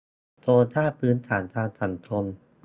โครงสร้างพื้นฐานทางสังคม